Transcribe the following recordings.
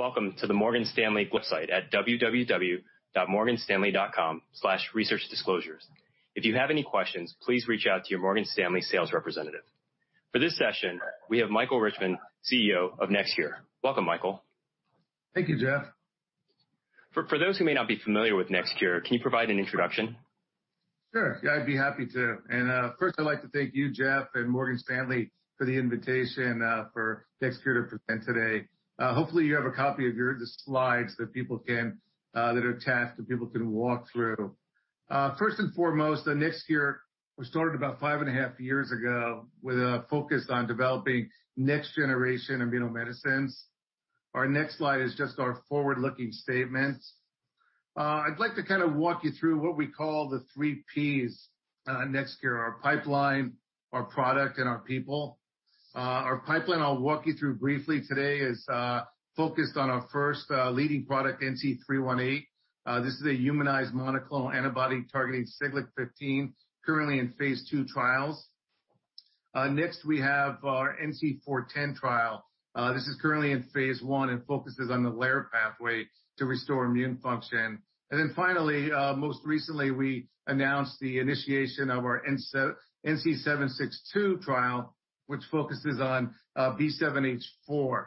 Welcome to the Morgan Stanley website at www.morganstanley.com/researchdisclosures. If you have any questions, please reach out to your Morgan Stanley sales representative. For this session, we have Michael Richman, CEO of NextCure. Welcome, Michael. Thank you, Jeff. For those who may not be familiar with NextCure, can you provide an introduction? Sure. Yeah, I'd be happy to. First I'd like to thank you, Jeff, and Morgan Stanley for the invitation for NextCure to present today. Hopefully, you have a copy of the slides that are attached that people can walk through. First and foremost, NextCure was started about 5.5 years ago with a focus on developing next generation immunomedicines. Our next slide is just our forward-looking statements. I'd like to kind of walk you through what we call the three Ps at NextCure. Our pipeline, our product, and our people. Our pipeline, I'll walk you through briefly today, is focused on our first leading product, NC318. This is a humanized monoclonal antibody targeting Siglec-15, currently in phase II trials. Next, we have our NC410 trial. This is currently in phase I and focuses on the LAIR pathway to restore immune function. Finally, most recently, we announced the initiation of our NC762 trial, which focuses on B7H4.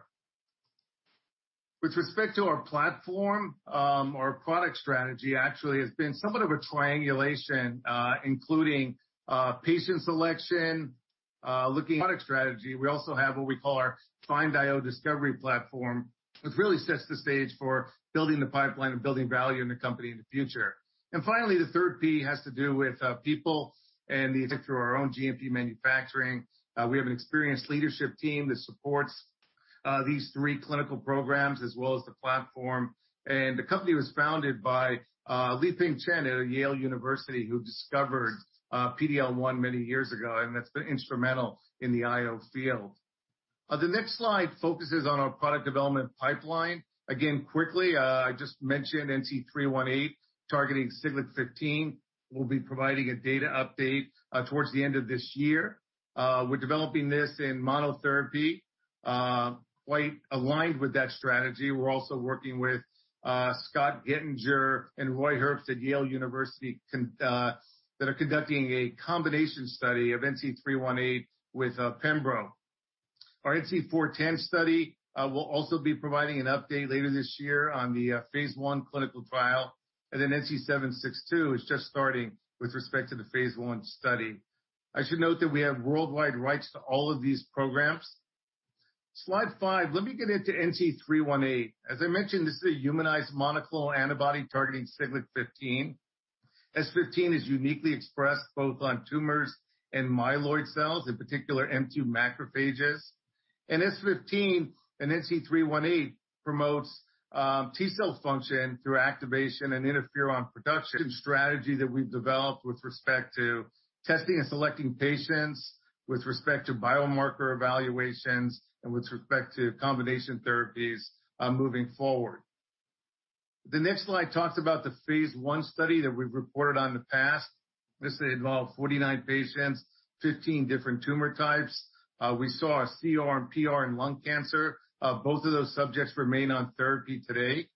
With respect to our platform, our product strategy actually has been somewhat of a triangulation, including patient selection, looking at product strategy. We also have what we call our FIND-IO discovery platform, which really sets the stage for building the pipeline and building value in the company in the future. Finally, the third P has to do with people and through our own GMP manufacturing. We have an experienced leadership team that supports these three clinical programs as well as the platform. The company was founded by Lieping Chen at Yale University, who discovered PD-L1 many years ago, and that's been instrumental in the IO field. The next slide focuses on our product development pipeline. Again, quickly, I just mentioned NC318 targeting Siglec-15. We'll be providing a data update towards the end of this year. We're developing this in monotherapy. Quite aligned with that strategy, we're also working with Scott Gettinger and Roy Herbst at Yale University that are conducting a combination study of NC318 with Pembro. Our NC410 study will also be providing an update later this year on the phase I clinical trial. NC762 is just starting with respect to the phase I study. I should note that we have worldwide rights to all of these programs. Slide five, let me get into NC318. As I mentioned, this is a humanized monoclonal antibody targeting Siglec-15. S15 is uniquely expressed both on tumors and myeloid cells, in particular, M2 macrophages. S15 and NC318 promotes T-cell function through activation and interferon production strategy that we've developed with respect to testing and selecting patients, with respect to biomarker evaluations, and with respect to combination therapies moving forward. The next slide talks about the phase I study that we've reported on in the past. This involved 49 patients, 15 different tumor types. We saw a CR and PR in lung cancer. Both of those subjects remain on therapy today.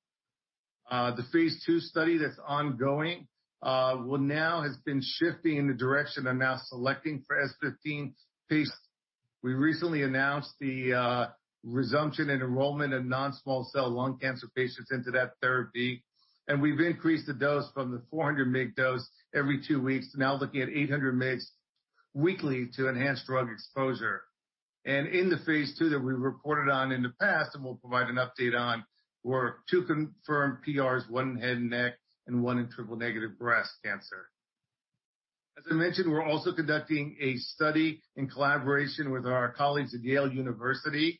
The phase II study that's ongoing now has been shifting in the direction of now selecting for S15 patients. We recently announced the resumption and enrollment of non-small cell lung cancer patients into that therapy, and we've increased the dose from the 400 mg dose every 2 weeks, now looking at 800 mg weekly to enhance drug exposure. In the phase II that we reported on in the past and will provide an update on were two confirmed PRs, one in head and neck and one in triple negative breast cancer. As I mentioned, we're also conducting a study in collaboration with our colleagues at Yale University,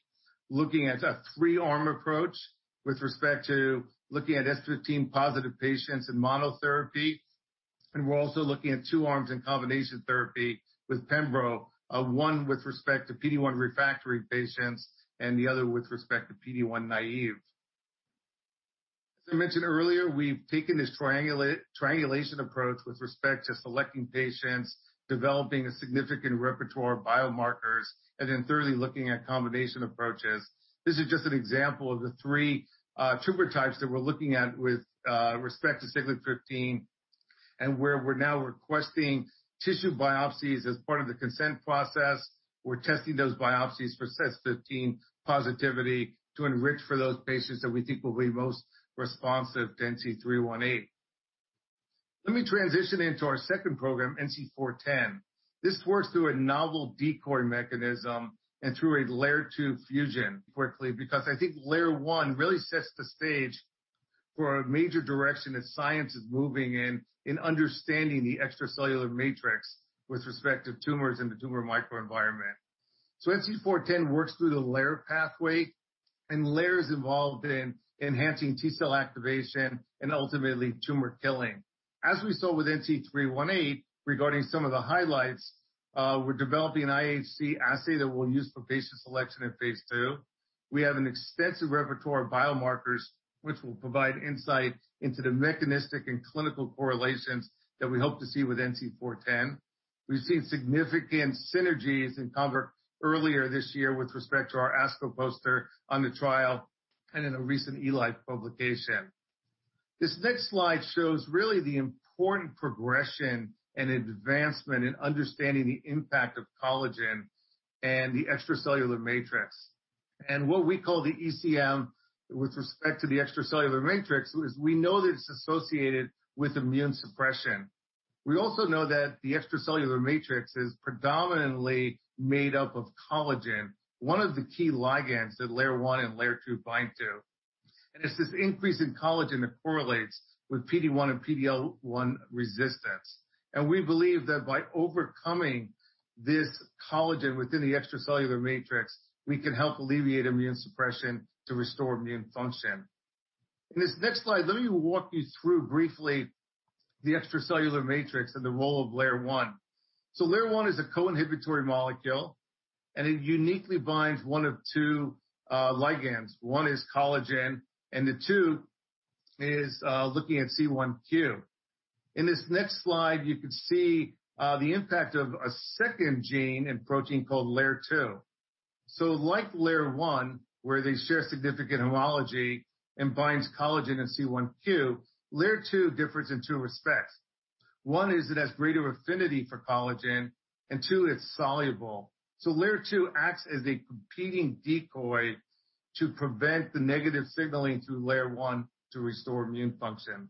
looking at a three arm approach with respect to looking at S15-positive patients in monotherapy. We're also looking at two arms in combination therapy with Pembro, 1 with respect to PD-1 refractory patients and the other with respect to PD-1 naive. As I mentioned earlier, we've taken this triangulation approach with respect to selecting patients, developing a significant repertoire of biomarkers, and then thirdly, looking at combination approaches. This is just an example of the three tumor types that we're looking at with respect to Siglec-15 and where we're now requesting tissue biopsies as part of the consent process. We're testing those biopsies for Siglec-15 positivity to enrich for those patients that we think will be most responsive to NC318. Let me transition into our second program, NC410. This works through a novel decoy mechanism and through a LAIR-2 fusion, quickly, because I think LAIR-1 really sets the stage for a major direction that science is moving in understanding the extracellular matrix with respect to tumors and the tumor microenvironment. NC410 works through the LAIR pathway, and LAIR is involved in enhancing T-cell activation and ultimately tumor killing. As we saw with NC318, regarding some of the highlights, we're developing an IHC assay that we'll use for patient selection in phase II. We have an extensive repertoire of biomarkers which will provide insight into the mechanistic and clinical correlations that we hope to see with NC410. We've seen significant synergies uncovered earlier this year with respect to our ASCO poster on the trial and in a recent eLife publication. This next slide shows really the important progression and advancement in understanding the impact of collagen and the extracellular matrix. What we call the ECM with respect to the extracellular matrix, is we know that it's associated with immune suppression. We also know that the extracellular matrix is predominantly made up of collagen, one of the key ligands that LAIR-1 and LAIR-2 bind to. It's this increase in collagen that correlates with PD-1 and PD-L1 resistance. We believe that by overcoming this collagen within the extracellular matrix, we can help alleviate immune suppression to restore immune function. In this next slide, let me walk you through, briefly, the extracellular matrix and the role of LAIR-1. LAIR-1 is a co-inhibitory molecule, and it uniquely binds one of two ligands. One is collagen, and the two is looking at C1q. In this next slide, you can see the impact of a second gene and protein called LAIR-2. Like LAIR-1, where they share significant homology and binds collagen and C1q, LAIR-2 differs in two respects. One is it has greater affinity for collagen, and two, it's soluble. LAIR-2 acts as a competing decoy to prevent the negative signaling through LAIR-1 to restore immune function.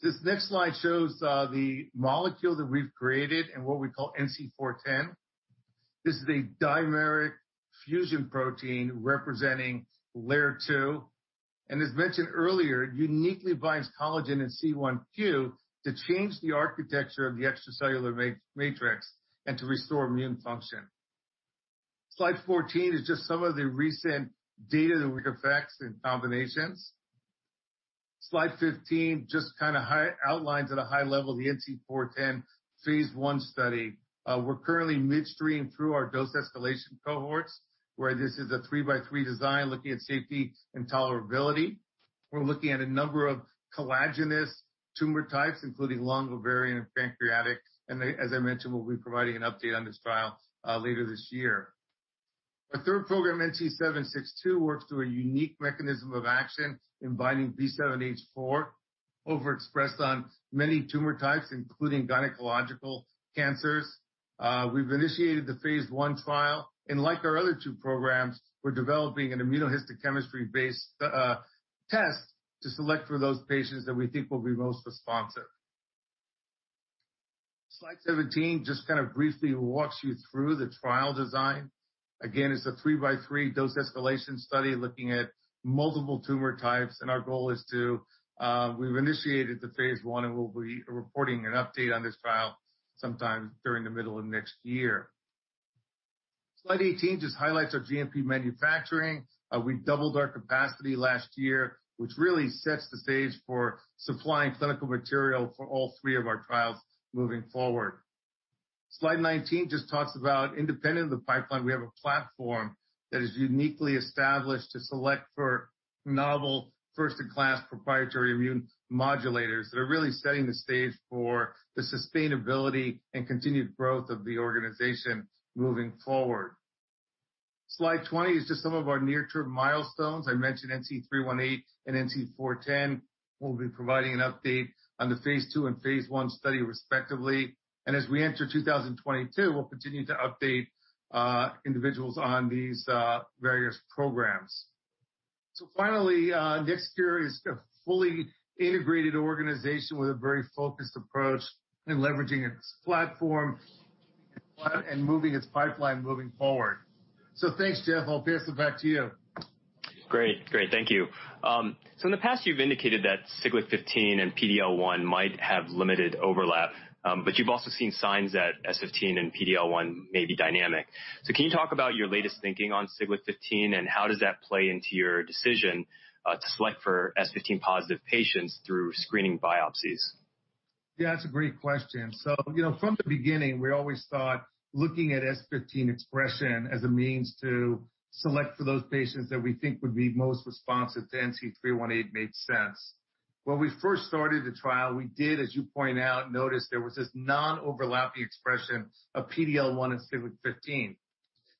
This next slide shows the molecule that we've created and what we call NC410. This is a dimeric fusion protein representing LAIR-2. As mentioned earlier, uniquely binds collagen and C1q to change the architecture of the extracellular matrix and to restore immune function. Slide 14 is just some of the recent data that we have FACS and combinations. Slide 15 just kind of outlines at a high level the NC410 phase I study. We're currently midstream through our dose escalation cohorts, where this is a 3+3 design looking at safety and tolerability. We're looking at a number of collagenous tumor types, including lung, ovarian, and pancreatic. As I mentioned, we'll be providing an update on this trial later this year. Our third program, NC762, works through a unique mechanism of action in binding B7-H4 overexpressed on many tumor types, including gynecological cancers. We've initiated the phase I trial, and like our other two programs, we're developing an immunohistochemistry-based test to select for those patients that we think will be most responsive. Slide 17 just kind of briefly walks you through the trial design. Again, it's a 3+3 dose escalation study looking at multiple tumor types, and We've initiated the phase I, and we'll be reporting an update on this trial sometime during the middle of next year. Slide 18 just highlights our GMP manufacturing. We doubled our capacity last year, which really sets the stage for supplying clinical material for all three of our trials moving forward. Slide 19 just talks about independent of the pipeline, we have a platform that is uniquely established to select for novel first-in-class proprietary immune modulators that are really setting the stage for the sustainability and continued growth of the organization moving forward. Slide 20 is just some of our near-term milestones. I mentioned NC318 and NC410. We'll be providing an update on the Phase II and Phase I study, respectively. As we enter 2022, we'll continue to update individuals on these various programs. Finally, NextCure is a fully integrated organization with a very focused approach in leveraging its platform and moving its pipeline moving forward. Thanks, Jeff. I'll pass it back to you. Great. Thank you. In the past, you've indicated that Siglec-15 and PD-L1 might have limited overlap, but you've also seen signs that S15 and PD-L1 may be dynamic. Can you talk about your latest thinking on Siglec-15, and how does that play into your decision to select for S15-positive patients through screening biopsies? Yeah, that's a great question. From the beginning, we always thought looking at S15 expression as a means to select for those patients that we think would be most responsive to NC318 made sense. When we first started the trial, we did, as you point out, notice there was this non-overlapping expression of PD-L1 and Siglec-15.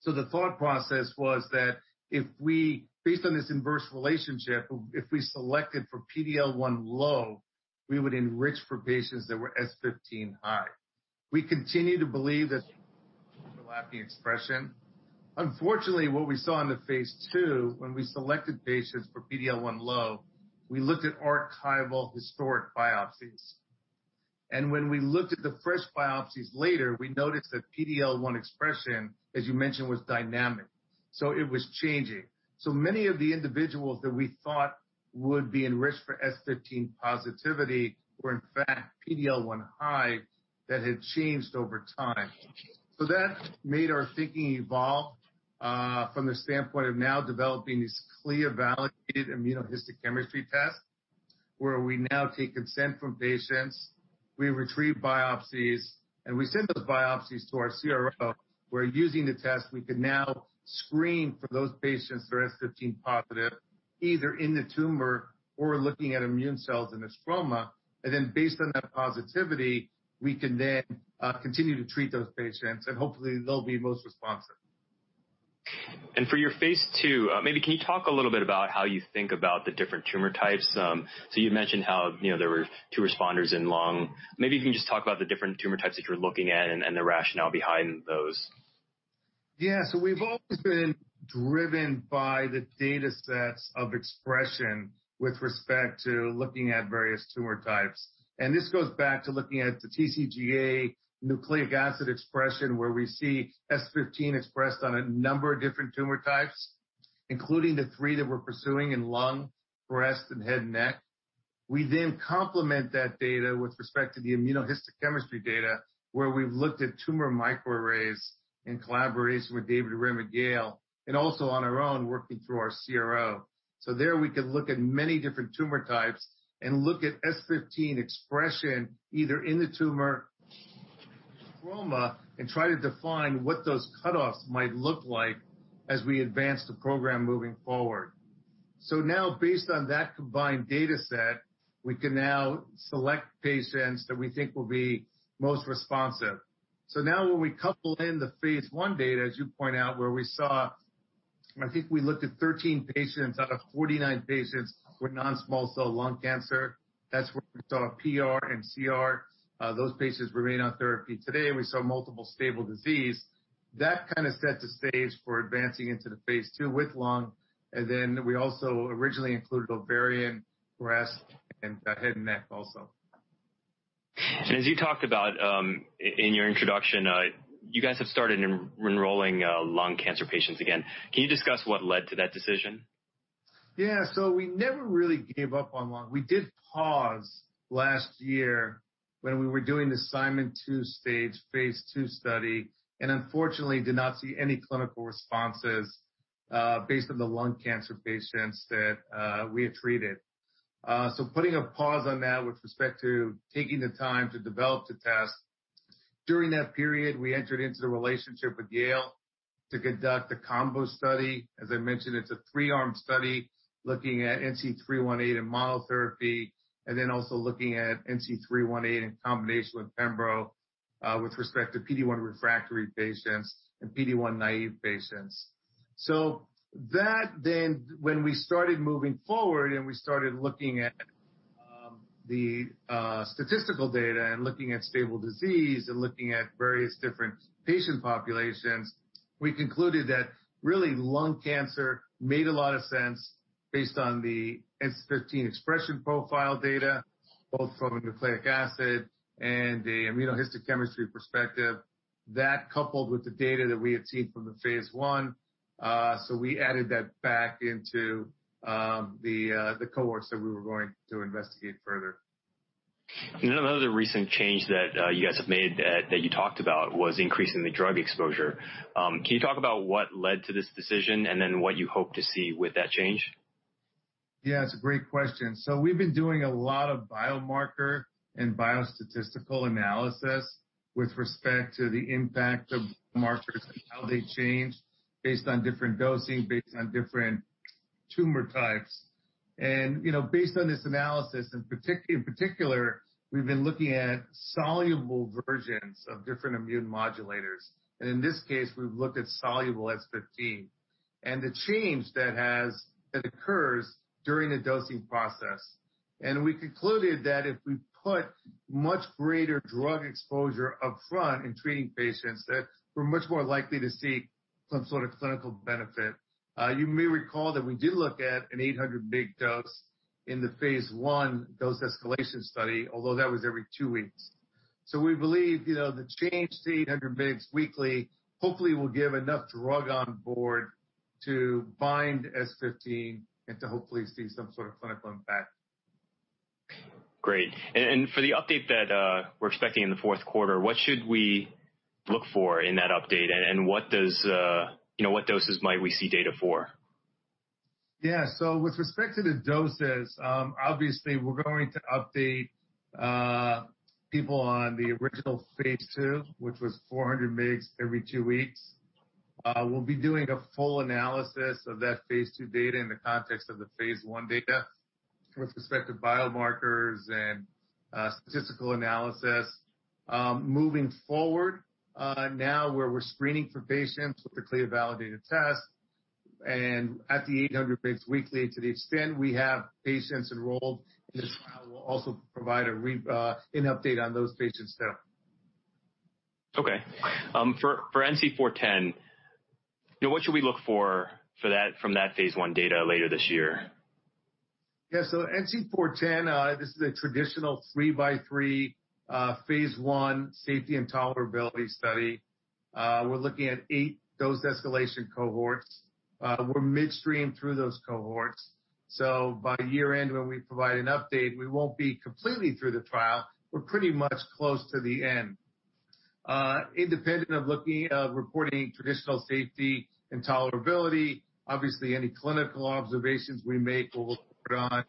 The thought process was that based on this inverse relationship, if we selected for PD-L1 low, we would enrich for patients that were S15 high. We continue to believe that overlapping expression. Unfortunately, what we saw in the phase II, when we selected patients for PD-L1 low, we looked at archival historic biopsies. When we looked at the fresh biopsies later, we noticed that PD-L1 expression, as you mentioned, was dynamic. It was changing. Many of the individuals that we thought would be enriched for S15 positivity were in fact PD-L1 high that had changed over time. That made our thinking evolve, from the standpoint of now developing these CLIA-validated immunohistochemistry tests, where we now take consent from patients, we retrieve biopsies, and we send those biopsies to our CRO, where using the test, we can now screen for those patients that are S15 positive. Either in the tumor or looking at immune cells in the stroma, and then based on that positivity, we can then continue to treat those patients, and hopefully they'll be most responsive. For your phase II, maybe can you talk a little bit about how you think about the different tumor types? You mentioned how there were two responders in lung. Maybe you can just talk about the different tumor types that you're looking at and the rationale behind those. We've always been driven by the data sets of expression with respect to looking at various tumor types. This goes back to looking at the TCGA nucleic acid expression, where we see S15 expressed on a number of different tumor types, including the three that we're pursuing in lung, breast, and head and neck. We complement that data with respect to the immunohistochemistry data, where we've looked at tumor microarrays in collaboration with David Rimm, and also on our own, working through our CRO. There we can look at many different tumor types and look at S15 expression, either in the tumor, stroma, and try to define what those cutoffs might look like as we advance the program moving forward. Now, based on that combined data set, we can now select patients that we think will be most responsive. Now when we couple in the phase I data, as you point out, where we saw, I think we looked at 13 patients out of 49 patients with non-small cell lung cancer. That's where we saw PR and CR. Those patients remain on therapy today, and we saw multiple stable disease. That kind of set the stage for advancing into the phase II with lung, and then we also originally included ovarian, breast, and head and neck also. As you talked about in your introduction, you guys have started enrolling lung cancer patients again. Can you discuss what led to that decision? Yeah. We never really gave up on lung. We did pause last year when we were doing the Simon's two-stage, phase II study, and unfortunately did not see any clinical responses based on the lung cancer patients that we had treated. Putting a pause on that with respect to taking the time to develop the test. During that period, we entered into the relationship with Yale to conduct a combo study. As I mentioned, it's a three-arm study looking at NC318 in monotherapy and then also looking at NC318 in combination with Pembro, with respect to PD-1 refractory patients and PD-1 naive patients. When we started moving forward and we started looking at the statistical data and looking at stable disease and looking at various different patient populations, we concluded that really lung cancer made a lot of sense based on the S15 expression profile data, both from a nucleic acid and the immunohistochemistry perspective. That coupled with the data that we had seen from the phase I, we added that back into the cohorts that we were going to investigate further. Another recent change that you guys have made that you talked about was increasing the drug exposure. Can you talk about what led to this decision and then what you hope to see with that change? Yeah, it's a great question. We've been doing a lot of biomarker and biostatistical analysis with respect to the impact of biomarkers and how they change based on different dosing, based on different tumor types. Based on this analysis, in particular, we've been looking at soluble versions of different immune modulators. In this case, we've looked at soluble S15 and the change that occurs during the dosing process. We concluded that if we put much greater drug exposure up front in treating patients, that we're much more likely to see some sort of clinical benefit. You may recall that we did look at an 800 mg dose in the phase I dose escalation study, although that was every 2 weeks. We believe, the change to 800 mgs weekly hopefully will give enough drug on board to bind S15 and to hopefully see some sort of clinical impact. Great. For the update that we're expecting in the fourth quarter, what should we look for in that update, and what doses might we see data for? Yeah. With respect to the doses, obviously we're going to update people on the original phase II, which was 400 mgs every two weeks. We'll be doing a full analysis of that phase II data in the context of the phase I data with respect to biomarkers and statistical analysis. Moving forward, now we're screening for patients with the CLIA validated test and at the 800 mgs weekly to the extent we have patients enrolled in the trial. We'll also provide an update on those patients too. Okay. For NC410, what should we look for from that phase I data later this year? Yeah. NC410, this is a traditional 3x3 phase I safety and tolerability study. We're looking at eight dose escalation cohorts. We're midstream through those cohorts, by year-end, when we provide an update, we won't be completely through the trial. We're pretty much close to the end. Independent of reporting traditional safety and tolerability, obviously any clinical observations we make we'll report on.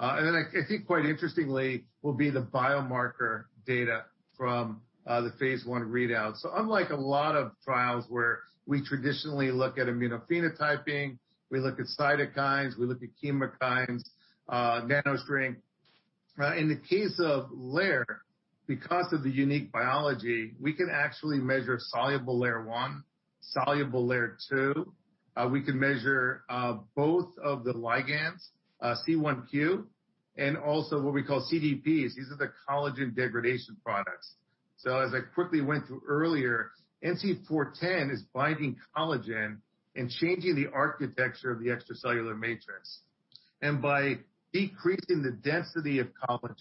I think quite interestingly will be the biomarker data from the phase I readout. Unlike a lot of trials where we traditionally look at immunophenotyping, we look at cytokines, we look at chemokines, NanoString. In the case of LAIR, because of the unique biology, we can actually measure soluble LAIR-1, soluble LAIR-2. We can measure both of the ligands, C1q, and also what we call CDPs. These are the collagen degradation products. As I quickly went through earlier, NC410 is binding collagen and changing the architecture of the extracellular matrix. By decreasing the density of collagen,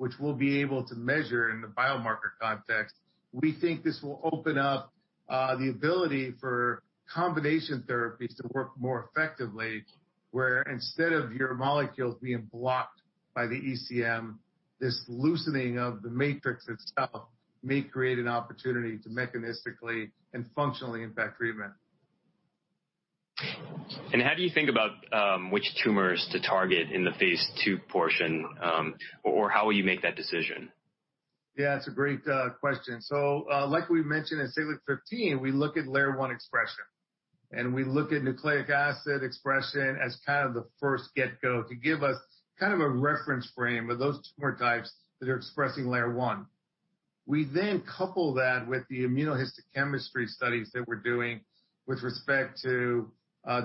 which we'll be able to measure in the biomarker context, we think this will open up the ability for combination therapies to work more effectively, where instead of your molecules being blocked by the ECM, this loosening of the matrix itself may create an opportunity to mechanistically and functionally impact treatment. How do you think about which tumors to target in the phase II portion? How will you make that decision? Yeah, it's a great question. Like we mentioned at Siglec-15, we look at LAIR-1 expression, and we look at nucleic acid expression as kind of the first get-go to give us kind of a reference frame of those tumor types that are expressing LAIR-1. We then couple that with the immunohistochemistry studies that we're doing with respect to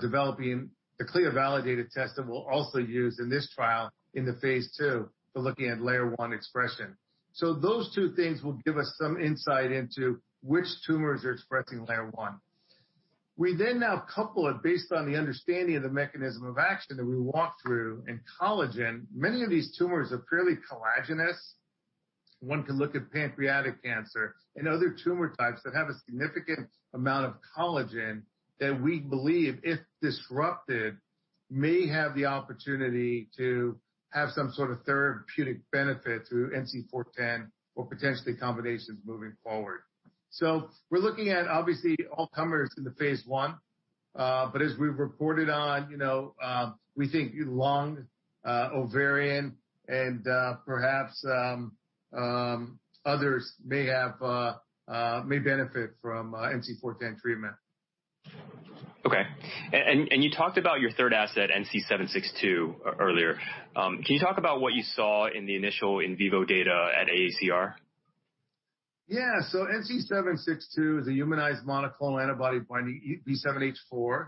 developing the CLIA-validated test that we'll also use in this trial in the phase II for looking at LAIR-1 expression. Those two things will give us some insight into which tumors are expressing LAIR-1. We then now couple it based on the understanding of the mechanism of action that we walked through in collagen. Many of these tumors are fairly collagenous. One can look at pancreatic cancer and other tumor types that have a significant amount of collagen that we believe, if disrupted, may have the opportunity to have some sort of therapeutic benefit through NC410 or potentially combinations moving forward. We're looking at, obviously, all comers in the phase I. As we've reported on, we think lung, ovarian, and perhaps others may benefit from NC410 treatment. Okay. You talked about your third asset, NC762, earlier. Can you talk about what you saw in the initial in vivo data at AACR? Yeah. NC762 is a humanized monoclonal antibody binding B7-H4.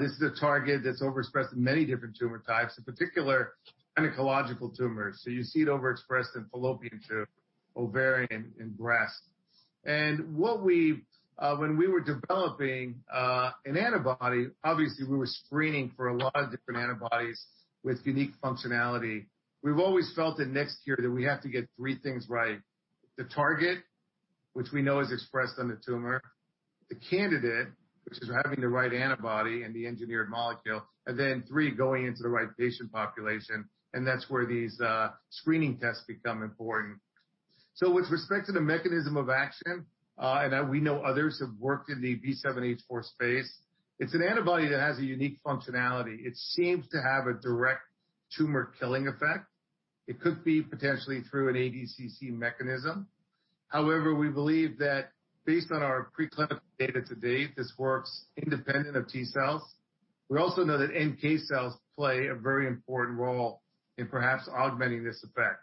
This is a target that's overexpressed in many different tumor types, in particular gynecological tumors. You see it overexpressed in fallopian tube, ovarian, and breast. When we were developing an antibody, obviously we were screening for a lot of different antibodies with unique functionality. We've always felt at NextCure that we have to get three things right. The target, which we know is expressed on the tumor, the candidate, which is having the right antibody and the engineered molecule, and then three, going into the right patient population, and that's where these screening tests become important. With respect to the mechanism of action, and we know others have worked in the B7-H4 space, it's an antibody that has a unique functionality. It seems to have a direct tumor killing effect. It could be potentially through an ADCC mechanism. We believe that based on our preclinical data to date, this works independent of T cells. We also know that NK cells play a very important role in perhaps augmenting this effect.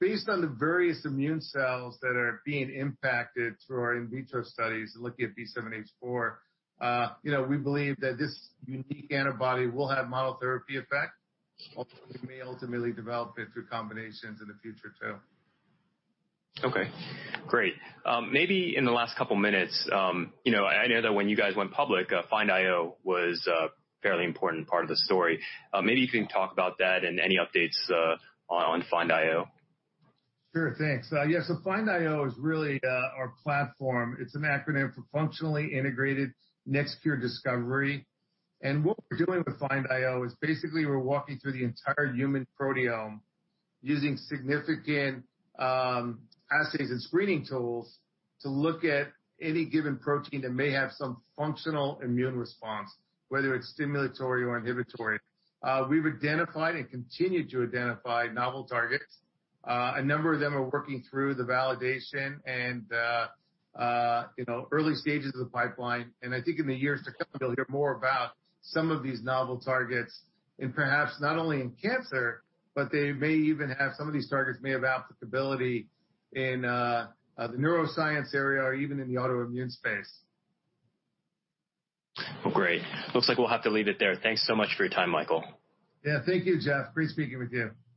Based on the various immune cells that are being impacted through our in vitro studies looking at B7-H4, we believe that this unique antibody will have monotherapy effect, may ultimately develop it through combinations in the future, too. Okay. Great. Maybe in the last couple of minutes, I know that when you guys went public, FIND-IO was a fairly important part of the story. Maybe you can talk about that and any updates on FIND-IO? Sure. Thanks. Yeah, FIND-IO is really our platform. It's an acronym for Functionally Integrated NextCure Discovery. What we're doing with FIND-IO is basically we're walking through the entire human proteome using significant assays and screening tools to look at any given protein that may have some functional immune response, whether it's stimulatory or inhibitory. We've identified and continue to identify novel targets. A number of them are working through the validation and early stages of the pipeline. I think in the years to come, you'll hear more about some of these novel targets in perhaps not only in cancer, but some of these targets may have applicability in the neuroscience area or even in the autoimmune space. Great. Looks like we'll have to leave it there. Thanks so much for your time, Michael. Yeah. Thank you, Jeff. Great speaking with you. Great.